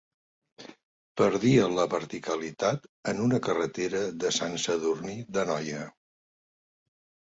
Perdia la verticalitat en una carretera de Sant Sadurní d'Anoia.